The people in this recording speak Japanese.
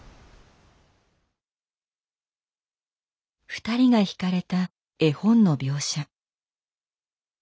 ２人が引かれた絵本の描写。